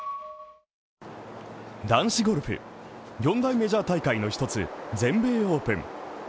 男子ゴルフ４大メジャー大会の一つ全米オープン。